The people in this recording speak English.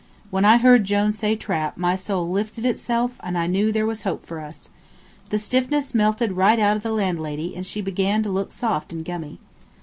When I heard Jone say trap my soul lifted itself and I knew there was hope for us. The stiffness melted right out of the landlady, and she began to look soft and gummy.